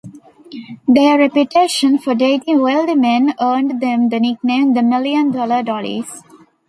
Their reputation for dating wealthy men earned them the nickname "The Million Dollar Dollies".